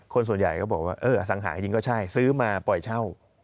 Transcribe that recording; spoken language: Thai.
คนส่วนใหญ่ก็บอกว่าเอออสังหาจริงก็ใช่ซื้อมาปล่อยเช่า